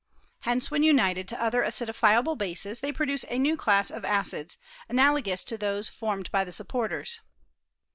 Hence, when united to other acidiiiable bases, they produce a new class of acids, analogous to those formed by the supporters.